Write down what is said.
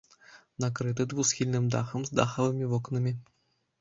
Накрыты двухсхільным дахам з дахавымі вокнамі.